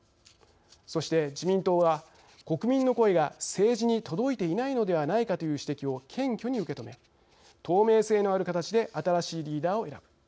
そして、自民党は国民の声が政治に届いていないのではないかという指摘を謙虚に受け止め透明性のある形で新しいリーダーを選ぶ。